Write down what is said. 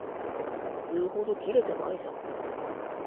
言うほどキレてないじゃん